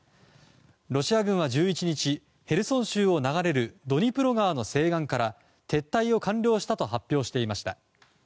ロシア軍は１１日ヘルソン州を流れるドニプロ川の西岸から撤退を完了したと発表していました。